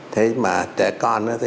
thế mà trẻ con